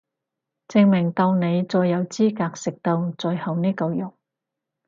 證明到你最有資格食到最後呢嚿肉